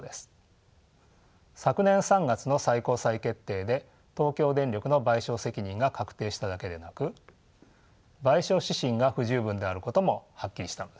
昨年３月の最高裁決定で東京電力の賠償責任が確定しただけでなく賠償指針が不十分であることもはっきりしたのです。